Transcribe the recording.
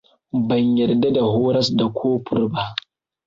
Ban yarda da horas da kofur ba.